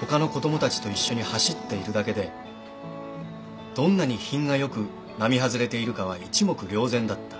ほかの子供たちと一緒に走っているだけでどんなに品がよく並外れているかは一目りょう然だった。